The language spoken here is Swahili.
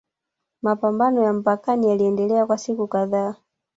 Mapambano ya mpakani yaliendelea kwa siku kadhaa